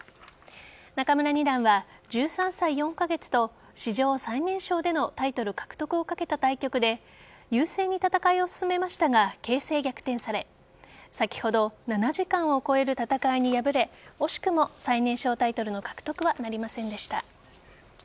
仲邑二段は１３歳４カ月と史上最年少でのタイトル獲得をかけた対局で優勢に戦いを進めましたが形勢逆転され先ほど７時間を超える戦いに敗れ惜しくも最年少タイトルの獲得はなりませんでした。